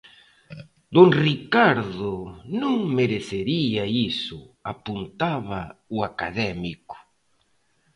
Don Ricardo non merecería iso, apuntaba o académico.